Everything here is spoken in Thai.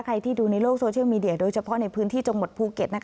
ใครที่ดูในโลกเวทย์โมเสียงโทรโดยเฉพาะในพื้นที่จงหมดภูเก็ต